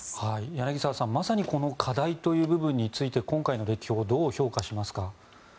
柳澤さん、まさにこの課題という部分について今回の歴訪、どう評価しますか。